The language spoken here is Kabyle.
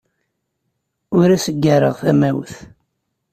Ur asen-ggareɣ tamawt.